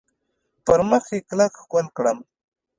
پر مخ یې کلک ښکل کړم .